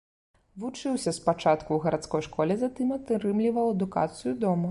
Вучыўся спачатку ў гарадской школе, затым атрымліваў адукацыю дома.